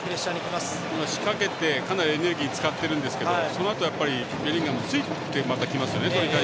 仕掛けてかなりエネルギーを使っているんですけどそのあと、ベリンガムついてきますよね。